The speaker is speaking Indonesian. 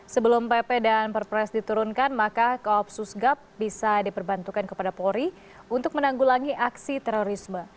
sebelum pp dan perpres diturunkan maka koopsus gap bisa diperbantukan kepada polri untuk menanggulangi aksi terorisme